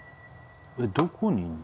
えっどこにいるの？